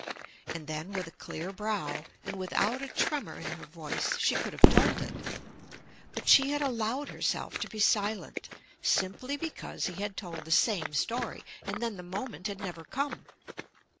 And then with a clear brow and without a tremor in her voice she could have told it. But she had allowed herself to be silent, simply because he had told the same story, and then the moment had never come.